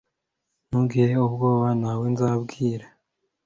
Ntugire ubwoba Ntawe nzabwira